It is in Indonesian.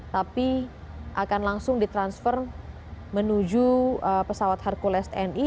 tapi akan langsung ditransfer menuju pesawat hercules ni